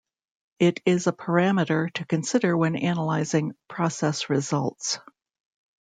It is a parameter to consider when analyzing process results.